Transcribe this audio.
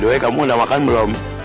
by the way kamu udah makan belum